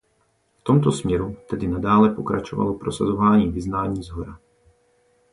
V tomto směru tedy nadále pokračovalo prosazování vyznání shora.